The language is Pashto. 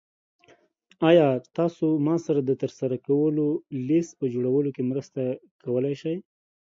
ایا تاسو ما سره د ترسره کولو لیست په جوړولو کې مرسته کولی شئ؟